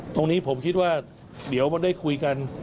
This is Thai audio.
ตรงนี้ผมคิดว่าเดี๋ยวมันได้คุยกัน